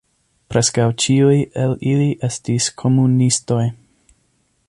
Preskaŭ ĉiuj el ili estis komunistoj.